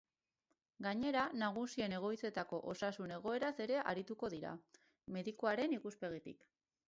Gainera, nagusien egoitzetako osasun egoeraz ere arituko dira, medikuaren ikuspegitik.